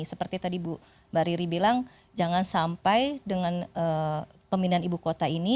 seperti tadi mbak riri bilang jangan sampai dengan pemindahan ibu kota ini